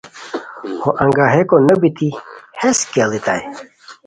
ہو انگاہیکو نو بیتی ہیس کیڑیتائے